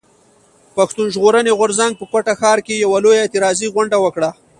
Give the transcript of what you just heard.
پښتون ژغورني غورځنګ په کوټه ښار کښي يوه لويه اعتراضي غونډه وکړه.